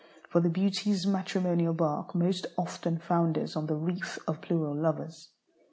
For the beauties' matrimonial barque most often founders on the reef of plural lovers.